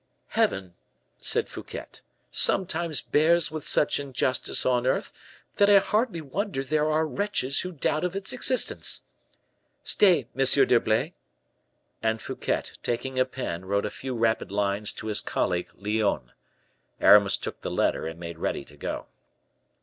"Heaven," said Fouquet, "sometimes bears with such injustice on earth, that I hardly wonder there are wretches who doubt of its existence. Stay, M. d'Herblay." And Fouquet, taking a pen, wrote a few rapid lines to his colleague Lyonne. Aramis took the letter and made ready to go.